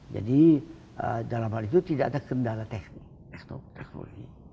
jadi dalam hal itu tidak ada kendaraan teknologi